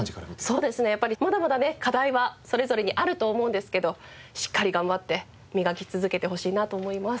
やっぱりまだまだね課題はそれぞれにあると思うんですけどしっかり頑張って磨き続けてほしいなと思います。